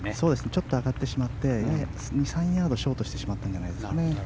ちょっと上がってしまって２３ヤードショートしてしまったと。